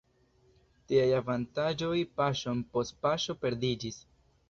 Tiaj avantaĝoj paŝon post paŝo perdiĝis.